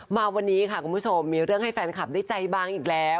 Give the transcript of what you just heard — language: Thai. มาวันนี้ค่ะคุณผู้ชมมีเรื่องให้แฟนคลับได้ใจบางอีกแล้ว